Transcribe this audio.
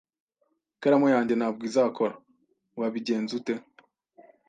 Ikaramu yanjye ntabwo izakora. Wabigenze ute?